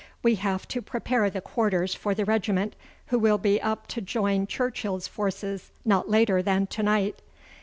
We have to prepare the quarters for the regiment, who will be up to join Churchill's forces not later than to night.